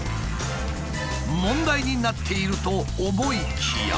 問題になっていると思いきや。